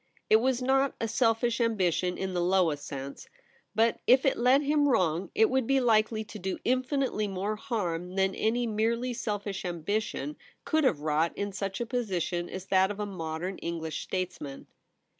It was not a selfish ambition in the lowest sense, but If it led him wrong, It would be likely to ON THE TERRACE. 27 do infinitely more harm than any merely selfish ambition could have wrought in such a position as that of a modern English states man.